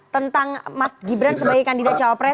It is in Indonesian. tentang mas gibran sebagai kandidat cawapres